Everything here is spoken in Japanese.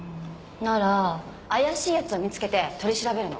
なら怪しいやつを見つけて取り調べるの。